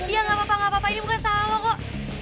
iya enggak apa apa enggak apa apa ini bukan salah lo kok